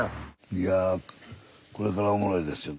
いやこれからおもろいですよ。